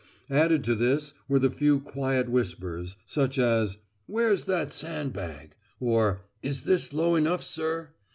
Added to this were the few quiet whispers, such as "Where's that sand bag?" or "Is this low enough, sir?"